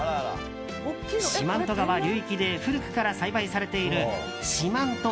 四万十川流域で古くから栽培されている四万十